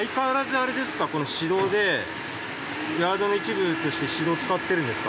この市道でヤードの一部として市道を使ってるんですか？